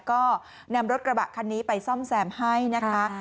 ก็นำรถกระบะคันนี้ไปซ่อมแซมให้นะคะ